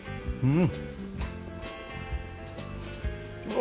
うん。